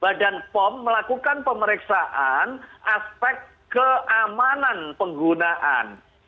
badan pom melakukan pemeriksaan aspek keamanan penggunaan